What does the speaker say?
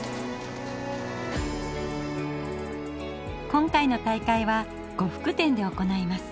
今回の大会は呉服店で行います。